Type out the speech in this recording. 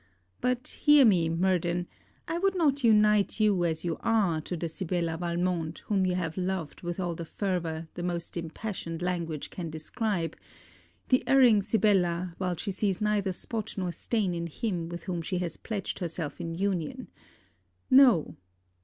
But hear me, Murden: I would not unite you as you are to the Sibella Valmont whom you have loved with all the fervour the most impassioned language can describe, the erring Sibella while she sees neither spot nor stain in him with whom she has pledged herself in union: No!